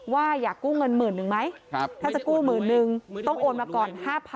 ว่าอยากกู้เงินหมื่นนึงไหมถ้าจะกู้หมื่นนึงต้องโอนมาก่อน๕๐๐๐